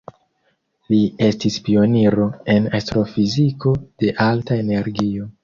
Li estis pioniro en astrofiziko de alta energio.